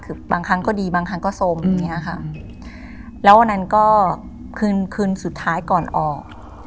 คือบางครั้งก็ดีบางครั้งก็สมอย่างเงี้ยค่ะแล้ววันนั้นก็คืนคืนสุดท้ายก่อนออก